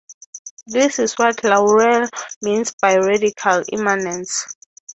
This is what Laruelle means by "radical immanence".